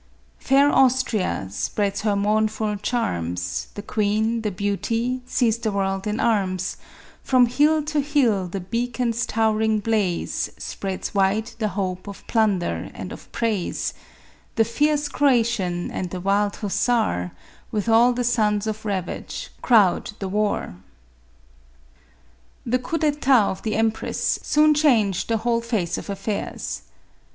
" Fair Austria spreads her mournful charms, The queen, the beauty, sees the world in arms; From hill to hill the beacon's towering blaze Spreads wide the hope of plunder and of praise ; The fierce Croatian, and the wild Hussar, With all the sons of ravage, crowd the war." The coup cTetat of the empress soon changed the 196 MARIA THERESA. whole face of affairs.